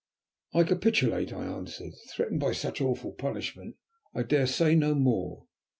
"I capitulate," I answered. "Threatened by such awful punishment I dare say no more.